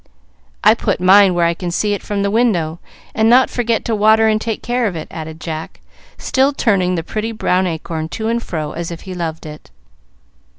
"I put mine where I can see it from the window, and not forget to water and take care of it," added Jack, still turning the pretty brown acorn to and fro as if he loved it.